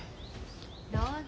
どうぞ。